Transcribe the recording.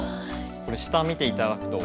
これ下を見て頂くと。